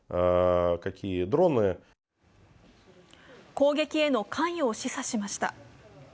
攻撃への関与を示唆しました。